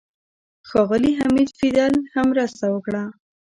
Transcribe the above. ښاغلي حمید فیدل هم مرسته وکړه.